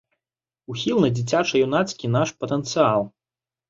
Ухіл на дзіцяча-юнацкі наш патэнцыял.